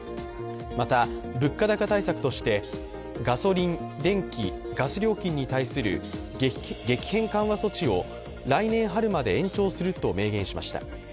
また、物価高対策としてガソリン、電気、ガス料金に対する激変緩和措置を来年春まで延長すると明言しました。